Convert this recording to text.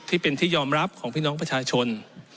ที่เป็นที่ยอมรับของพี่น้องประชาชน